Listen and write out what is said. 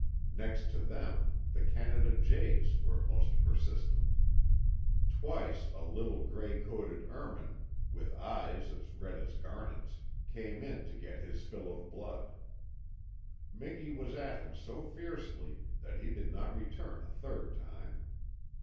Next to them the Canada jays were most persistent. Twice a little gray coated ermine, with eyes as red as garnets, came in to get his fill of blood. Miki was at him so fiercely that he did not return a third time.